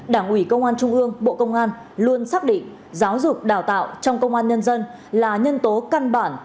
đảng ủy công an trung ương bộ công an luôn xác định giáo dục đào tạo trong công an nhân dân là nhân tố căn bản